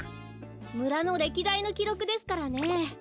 むらのれきだいのきろくですからね。